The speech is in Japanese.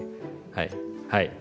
はいはい。